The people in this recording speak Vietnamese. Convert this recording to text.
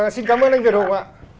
và xin cám ơn anh việt hùng ạ